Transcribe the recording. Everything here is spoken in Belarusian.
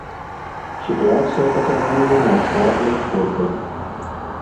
Сітуацыя патрабуе неадкладных крокаў.